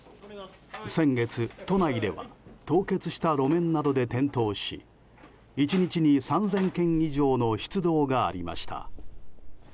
先月、都内では凍結した路面などで転倒し１日に３０００件以上の出動がありました。